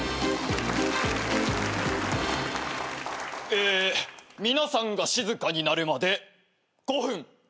え皆さんが静かになるまで５分かかりました。